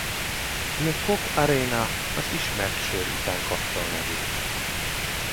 Le Coq Arena az ismert sör után kapta a nevét.